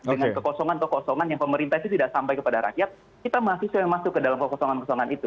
dengan kekosongan kekosongan yang pemerintah itu tidak sampai kepada rakyat kita mahasiswa yang masuk ke dalam kekosongan kekosongan itu